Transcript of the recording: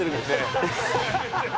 アハハハ！